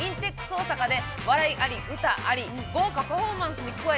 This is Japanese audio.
大阪で笑いあり、歌ありの豪華パフォーマンスに加え